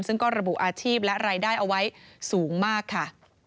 ซึ่งก็ระบุอาชีพและรายได้เอาไว้สูงมากค่ะ